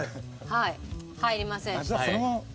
入りません。